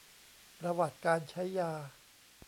ประวัติการใช้ยา